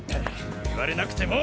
言われなくても！